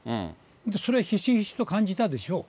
それはひしひしと感じたでしょう。